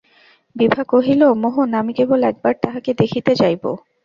বিভা কহিল, মোহন, আমি কেবল একবার তাঁহাকে দেখিতে যাইব।